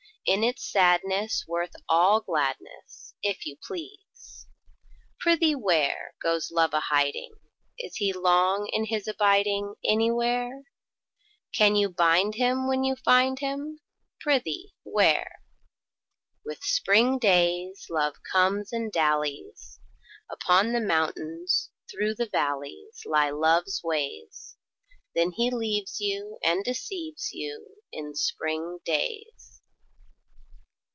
In its sadness worth all gladness, If you please! Prithee where, Goes Love a hiding? Is he long in his abiding Anywhere? Can you bind him when you find him; Prithee, where? With spring days Love comes and dallies: Upon the mountains, through the valleys Lie Love's ways. Then he leaves you and deceives you In spring days.